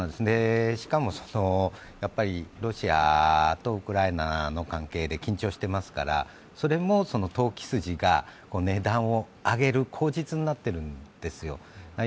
しかも、ロシアとウクライナの関係で緊張していますから、それも、投機筋が値段を上げる口実になってるんですよ。